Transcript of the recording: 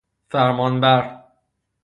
فرمان بر